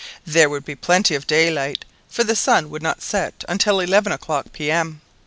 There would be plenty of daylight, for the sun would not set until eleven o'clock P.M.